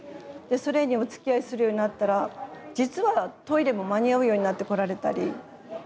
それにおつきあいするようになったら実はトイレも間に合うようになってこられたり。